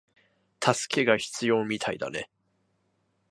助けが必要みたいだね